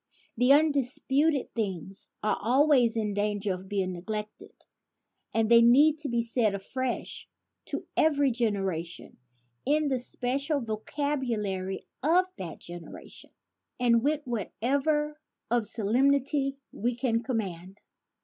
The un disputed things are always in danger of being neglected; and they need to be said afresh to every generation, in the special vocabulary of that generation and with whatever of solemnity we can command.